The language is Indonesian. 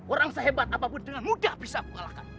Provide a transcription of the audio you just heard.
orang sehebat apapun dengan mudah bisa kukalahkan